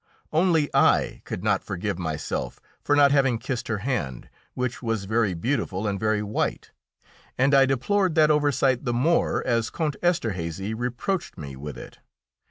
Only I could not forgive myself for not having kissed her hand, which was very beautiful and very white, and I deplored that oversight the more as Count Esterhazy reproached me with it.